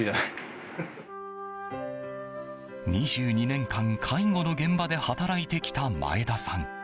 ２２年間、介護の現場で働いてきた前田さん。